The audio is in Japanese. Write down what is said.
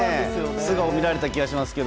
素顔を見られた気がします。